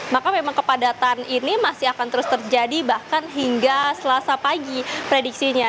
maka memang kepadatan ini masih akan terus terjadi bahkan hingga selasa pagi prediksinya